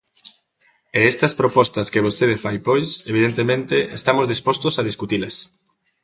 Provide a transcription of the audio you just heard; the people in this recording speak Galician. E estas propostas que vostede fai pois, evidentemente, estamos dispostos a discutilas.